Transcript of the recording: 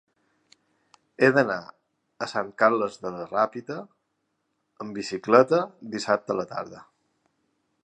He d'anar a Sant Carles de la Ràpita amb bicicleta dissabte a la tarda.